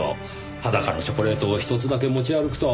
裸のチョコレートを１つだけ持ち歩くとは思えないのですが。